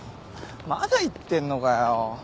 まだ言ってんのかよ。